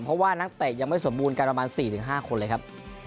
เพราะว่านักเตะยังไม่สมบูรณ์กันประมาณ๔๕คนเลยครับ